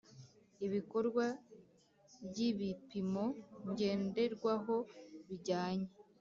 ibikorwa ry ibipimo ngenderwaho bijyanye